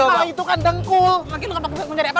kaki lu gak bakal menjadi apa